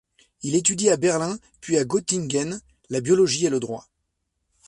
Il étudie à Berlin puis à Göttingen la biologie et le droit.